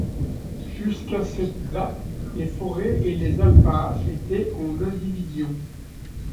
Jusqu'à cette date, les forêts et les alpages étaient en indivision.